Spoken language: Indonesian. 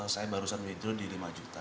saya baru saja mendapatkan lima juta